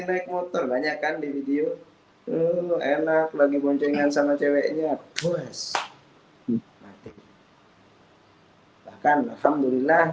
naik motor banyak kan di video enak lagi boncengan sama ceweknya puas mati bahkan alhamdulillah